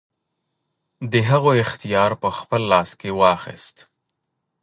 د هغو اختیار په خپل لاس کې واخیست.